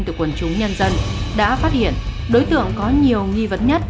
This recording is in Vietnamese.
từ quần chúng nhân dân đã phát hiện đối tượng có nhiều nghi vấn nhất